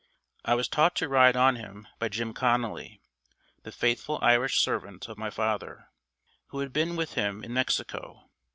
I was taught to ride on him by Jim Connally, the faithful Irish servant of my father, who had been with him in Mexico.